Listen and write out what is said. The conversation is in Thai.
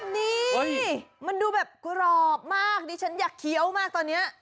นี่มันดูแบบกรอบมากดิฉันอยากเคี้ยวมากตอนนี้